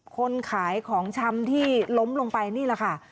คนขายของชำที่ล้มลงไปนี่แหละค่ะ